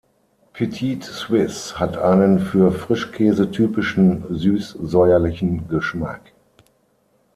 Petit-suisse hat einen für Frischkäse typischen süß-säuerlichen Geschmack.